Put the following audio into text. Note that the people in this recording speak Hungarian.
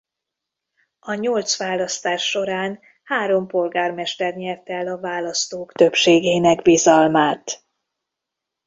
A nyolc választás során három polgármester nyerte el a választók többségének bizalmát.